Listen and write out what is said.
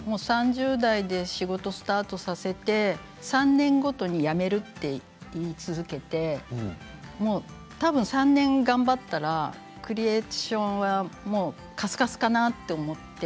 ３０代で仕事をスタートさせて３年ごとに辞めると言い続けて多分３年頑張ったらクリエーションはもう、かすかすかなと思って。